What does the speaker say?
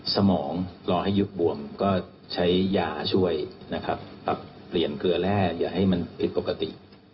สมองรอให้ยุบบวมก็ใช้ยาช่วยนะครับปรับเปลี่ยนเกลือแร่อย่าให้มันผิดปกติ